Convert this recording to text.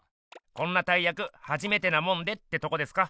こんな大やくはじめてなもんでってとこですか？